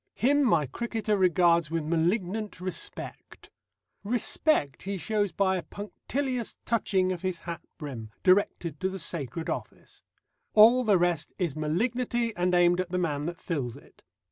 Him my cricketer regards with malignant respect. Respect he shows by a punctilious touching of his hat brim, directed to the sacred office; all the rest is malignity, and aimed at the man that fills it.